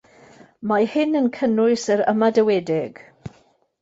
Mae hyn yn cynnwys yr ymadawedig.